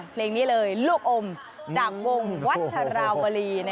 เพลงนี้เลยลูกอมจากวงวัชราวรี